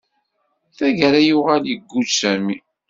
Tagara, yuɣal iguǧǧ Sami.